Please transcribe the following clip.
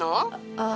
ああ。